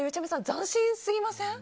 斬新すぎませんか？